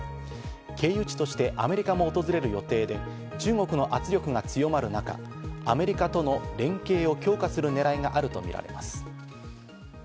経由地としたアメリカも訪れる予定で、中国の圧力が強まる中、アメリカとの連携を強化する狙いがあるとみられます。